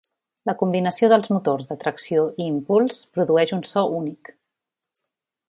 La combinació dels motors de tracció i impuls produeix un so únic.